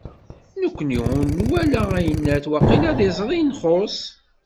Nekni ur nwala ayennat, waqila d iẓri i nxuṣ.